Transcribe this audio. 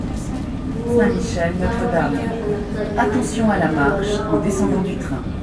موږ دا وخت د الاقصی جومات مخې ته ولاړ وو.